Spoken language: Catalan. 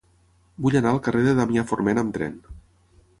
Vull anar al carrer de Damià Forment amb tren.